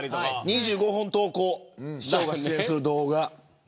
２５本投稿市長が出演する動画。